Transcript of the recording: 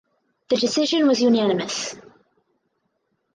The decision was unanimous.